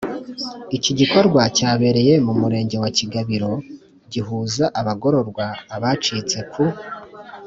Iki gikorwa cyabereye mu murenge wa Kigabiro gihuza abagororwa abacitse ku